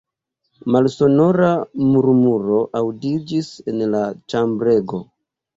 Malsonora murmuro aŭdiĝis en la ĉambrego.